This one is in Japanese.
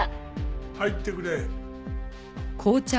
入ってくれ。